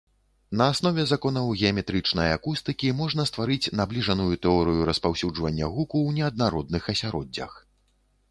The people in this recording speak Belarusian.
На аснове законаў геаметрычнай акустыкі можна стварыць набліжаную тэорыю распаўсюджвання гуку ў неаднародных асяроддзях.